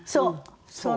そう！